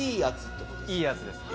いいやつです。